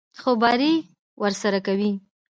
خوباري ورسره کوي.